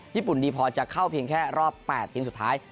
ญี่ปุ่นดีพอร์จะเข้าเพียงแค่รอบ๘ถึงสุดท้าย